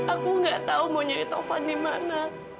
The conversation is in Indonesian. aku nggak tahu mau jadi taufan di mana